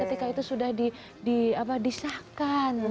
ketika itu sudah disahkan